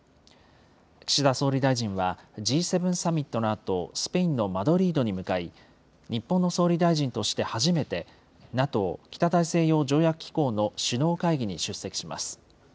岸田総理大臣は、Ｇ７サミットのあと、スペインのマドリードに向かい、日本の総理大臣として初めて、ＮＡＴＯ・北大西洋条約機構の首脳会議に出席します。